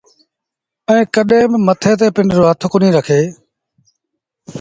ائيٚݩ ڪڏهين با مٿي تي پنڊرو هٿ ڪونهيٚ رکي